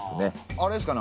あれですかね？